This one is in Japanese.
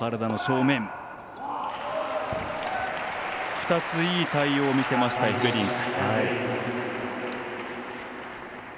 ２ついい対応を見せましたエフベリンク。